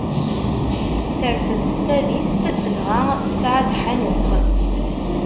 Terfed s tadist dɣa tesɛa-d Ḥanux.